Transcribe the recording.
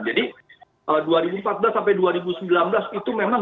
jadi dua ribu empat belas sampai dua ribu sembilan belas itu memang